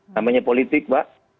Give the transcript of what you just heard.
namanya politik pak